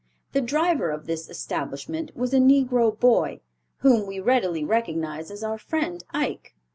The driver of this establishment was a negro boy, whom we readily recognize as our friend Ike.